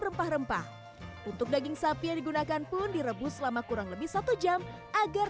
rempah rempah untuk daging sapi yang digunakan pun direbus selama kurang lebih satu jam agar